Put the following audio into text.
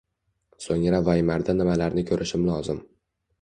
So’ngra Vaymarda nimalarni ko’rishim lozim